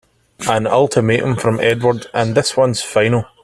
An ultimatum from Edward and this one's final!